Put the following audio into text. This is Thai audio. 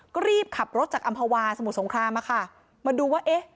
ก็รีบขับรถจากอำภาวาสมุทรสงครามอะค่ะมาดูว่าเอ๊ะ